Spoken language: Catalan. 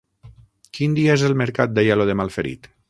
Quin dia és el mercat d'Aielo de Malferit?